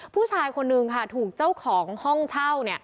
ผู้ชายคนนึงค่ะถูกเจ้าของห้องเช่า